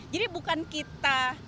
jadi bukan kita